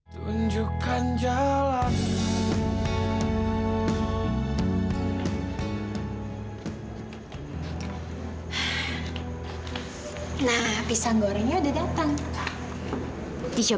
tante masih sedih ya